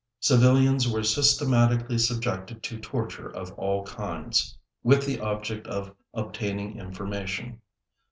Civilians were systematically subjected to tortures of all kinds, with the object of obtaining information.